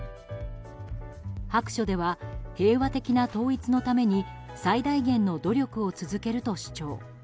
白書では平和的な統一のために最大限の努力を続けると主張。